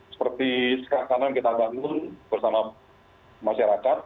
seperti sekarang kanan kita bangun bersama masyarakat